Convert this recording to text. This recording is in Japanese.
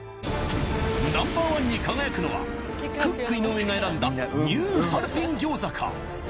Ｎｏ．１に輝くのはクック井上。が選んだニューハルピン餃子か？